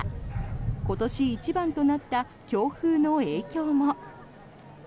今年一番となった強風の影響も。